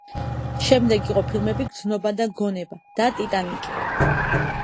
შემდეგ იყო ფილმები „გრძნობა და გონება“ და „ტიტანიკი“.